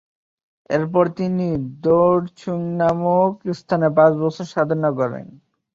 এরপর তিনি দ্ব্যে-ছুং নামক স্থানে পাঁচ বছর সাধনা করেন।